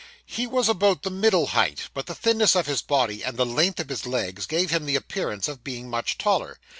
He was about the middle height, but the thinness of his body, and the length of his legs, gave him the appearance of being much taller.